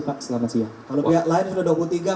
pak selamat siang kalau pihak lain sudah dua puluh tiga